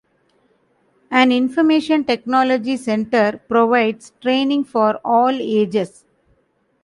An Information Technology Centre provides training for all ages.